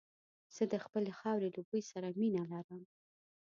زه د خپلې خاورې له بوی سره مينه لرم.